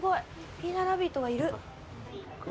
ピーターラビットがいる。